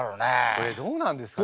これどうなんですかね？